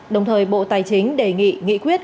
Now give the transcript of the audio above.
đồng thời bộ tài chính đề nghị nghị quyết